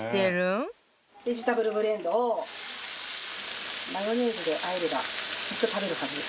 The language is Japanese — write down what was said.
ベジタブルブレンドをマヨネーズで和えればきっと食べるはず。